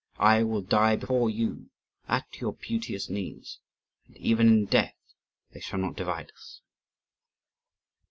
I will die before you, at your beauteous knees, and even in death they shall not divide us."